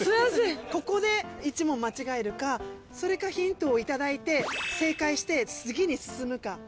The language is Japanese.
ここで１問間違えるかそれかヒントを頂いて正解して次に進むか。